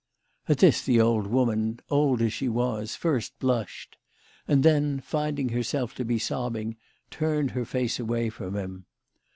At this the old woman, old as she was, first blushed, and then, finding herself to be sobbing, turned her face away from him.